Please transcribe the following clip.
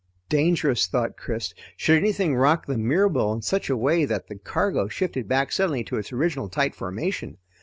Dangerous, thought Chris, should anything rock the Mirabelle in such a way that the cargo shifted back suddenly to its original tight formation.